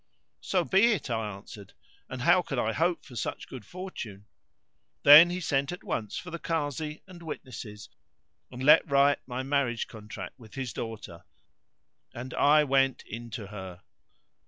"So be it," I answered, "and how could I hope for such good fortune?" Then he sent at once for the Kazi and witnesses, and let write my marriage contract with his daughter and I went in to her.